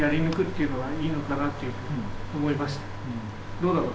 どうだろう？